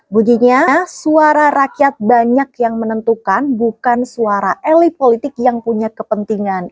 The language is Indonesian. bunyinya suara rakyat banyak yang menentukan bukan suara elit politik yang punya kepentingan